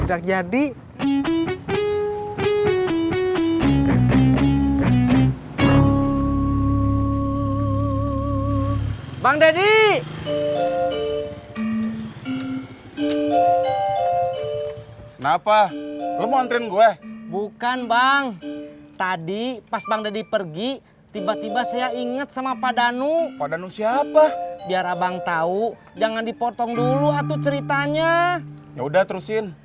ya sudah terusin tadi pas bang deddy pergi tiba tiba saya ingat sama pak danu pak danu siapa biar abang tau jangan dipotong dulu hantu ceritanya yaudah terusin tadi pas bang daddy pergi tiba tiba saya inget sama pak danu pak danu siapa biar abang tahu jangan dipotong dulu hantu ceritanya yaudah terusin